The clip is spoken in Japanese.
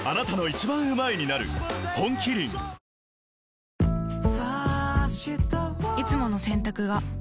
本麒麟いつもの洗濯が